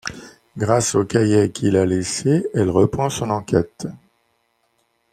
Grâce aux cahiers qu'il a laissés, elle reprend son enquête.